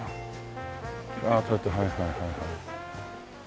ああちょっとはいはいはいはい。